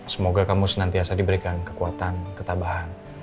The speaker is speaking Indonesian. semoga kamu senantiasa diberikan kekuatan ketabahan